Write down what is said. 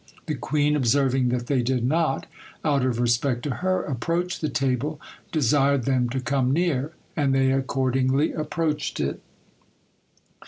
The queen observing that they did not, out of respect to her, approach the table, desired them to come near; and they accordingly approached it.